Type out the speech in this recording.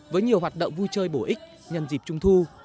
với nhiều hoạt động vui chơi bổ ích nhân dịp trung thu